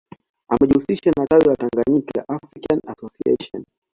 Amejihusisha na tawi la Tanganyika African Association